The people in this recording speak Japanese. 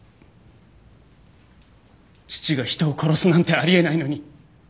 父が人を殺すなんてあり得ないのに！